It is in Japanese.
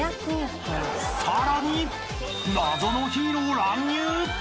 ［さらに謎のヒーロー乱入！？］